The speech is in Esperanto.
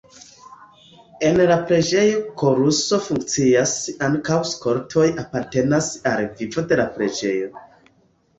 En la preĝejo koruso funkcias, ankaŭ skoltoj apartenas al vivo de la preĝejo.